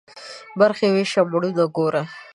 برخي ويشه ، مړونه گوره.